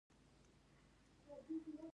ما ترې وپوښتل له هغه وروسته څه پېښیږي.